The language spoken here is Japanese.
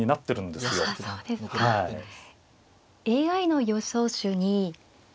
ＡＩの予想手に。